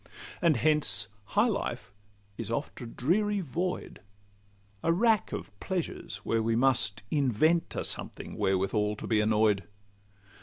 And hence high life is oft a dreary void, A rack of pleasures, where we must invent A something wherewithal to be annoy'd.